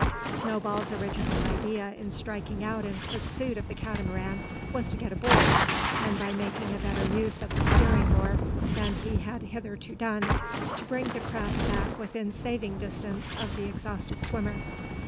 Snowball's original idea in striking out in pursuit of the Catamaran was to get aboard; and, by making a better use of the steering oar than he had hitherto done, to bring the craft back within saving distance of the exhausted swimmer.